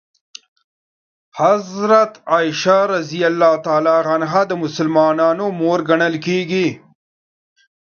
حضرت عایشه رض د مسلمانانو مور ګڼل کېږي.